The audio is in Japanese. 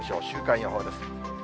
週間予報です。